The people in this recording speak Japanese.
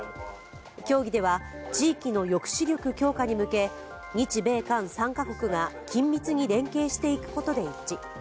協議では地域の抑止力強化に向け日米韓３カ国が緊密に連携していくことで一致。